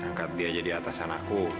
angkat dia aja di atasan aku